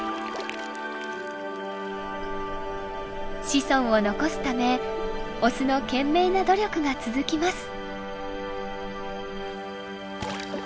子孫を残すためオスの懸命な努力が続きます。